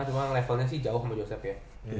cuma levelnya sih jauh sama josep ya